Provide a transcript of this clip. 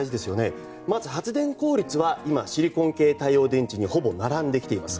発電効率はシリコン系太陽電池にほぼ並んできています。